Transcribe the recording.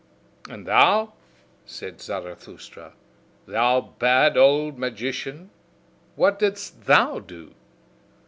"And thou," said Zarathustra, "thou bad old magician, what didst thou do!